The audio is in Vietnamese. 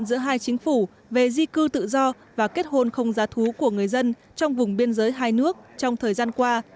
giữa hai chính phủ về di cư tự do và kết hôn không giá thú của người dân trong vùng biên giới hai nước trong thời gian qua